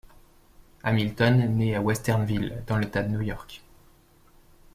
Hamilton naît à Westernville, dans l'État de New York.